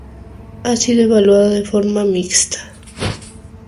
Ha sido evaluada de forma mixta.